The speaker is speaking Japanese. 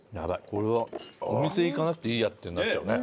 これはお店行かなくていいやってなっちゃうね。